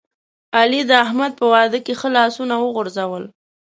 علی د احمد په واده کې ښه لاسونه وغورځول.